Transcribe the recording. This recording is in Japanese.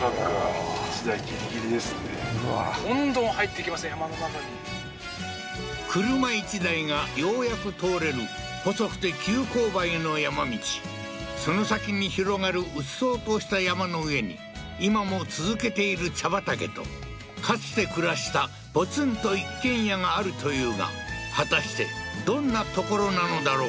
いや車１台がようやく通れる細くて急勾配の山道その先に広がるうっそうとした山の上に今も続けている茶畑とかつて暮らしたポツンと一軒家があるというが果たしてどんな所なのだろう？